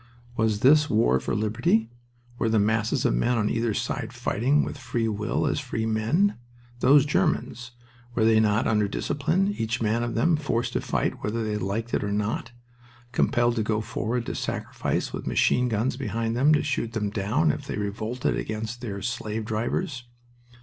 Was this war for liberty? Were the masses of men on either side fighting with free will as free men? Those Germans were they not under discipline, each man of them, forced to fight whether they liked it or not? Compelled to go forward to sacrifice, with machine guns behind them to shoot them down if they revolted against their slave drivers?